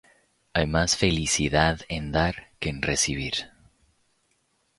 Hay mas felicidad en dar que en recibir.